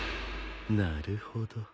なるほど。